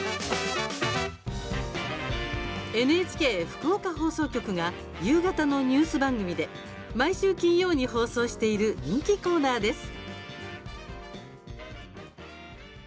ＮＨＫ福岡放送局が夕方のニュース番組で毎週金曜に放送している人気コーナーです。